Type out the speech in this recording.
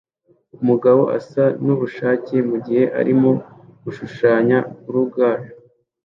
Umugabo asa nubushake mugihe arimo gushushanya gargoyle